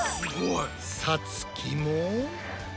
さつきも。